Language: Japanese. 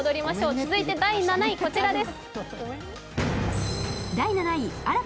続いて第７位、こちらです